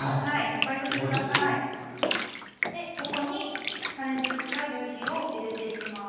ここに加熱したぎゅうひを入れていきます。